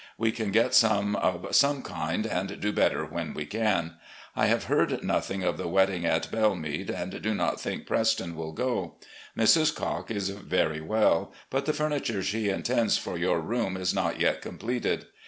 We can get some of some kind, and do better when we can. I have heard nothing of the wedding at ' Belmead,' and do not think Preston will go. Mrs. Cocke is very well, but the furniture she intends for your room is not yet completed.